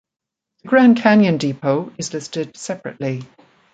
The Grand Canyon Depot is listed separately.